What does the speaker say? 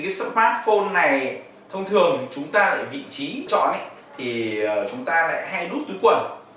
cái smartphone này thông thường chúng ta lại vị trí chọn thì chúng ta lại hay đút túi quần